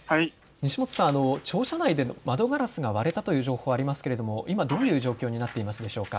西本さん、庁舎内で窓ガラスが割れたという情報がありますが今、どういう状況になっていますでしょうか。